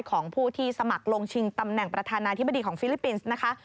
ของผู้ที่สมัครลงชิงตำแหน่งประธานาธิบดีของฟิลิปปินส์นะคะ